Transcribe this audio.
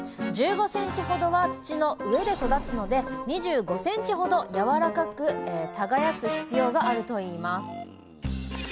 １５ｃｍほどは土の上で育つので２５ｃｍほどやわらかく耕す必要があるといいます。